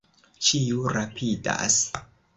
Ĉiu rapidas.